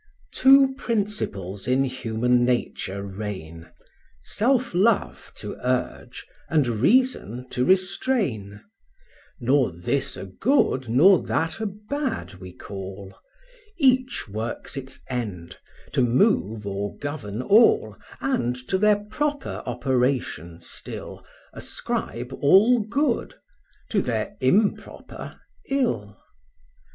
II. Two principles in human nature reign; Self love to urge, and reason, to restrain; Nor this a good, nor that a bad we call, Each works its end, to move or govern all And to their proper operation still, Ascribe all good; to their improper, ill.